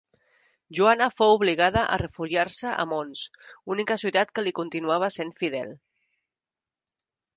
Joana fou obligada a refugiar-se a Mons, única ciutat que li continuava sent fidel.